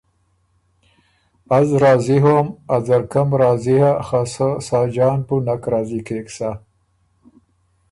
از راضی هوم، ا ځرکۀ م سُو راضی سۀ خه سۀ ساجان بُو نک راضی کېک سۀ۔